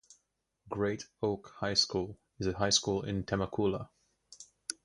Great Oak High School is a high school in Temecula.